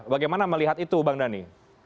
bagaimana melihat itu bang dhani